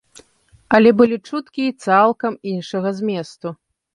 Але былі чуткі і цалкам іншага зместу.